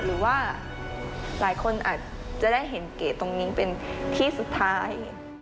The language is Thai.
หรือว่าหลายคนอาจจะได้เห็นเก๋ตรงนี้เป็นที่สุดท้าย